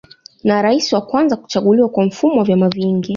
Na rais wa kwanza kuchaguliwa kwa mfumo wa vyama vingi